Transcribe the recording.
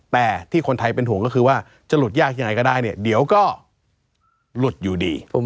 แต่ที่คนไทยเป็นห่วงก็คือว่าจะหลุดยากยังไงก็ได้เนี่ยเดี๋ยวก็หลุดอยู่ดี